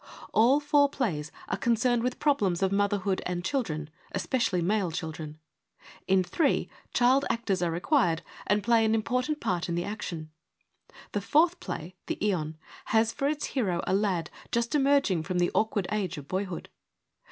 All four plays are concerned with problems of motherhood and children, especially male children. In three, child actors are required and play an important part in the action : the fourth play, the Ion, has for its hero a lad, just emerging from the ' awkward age ' of boyhood.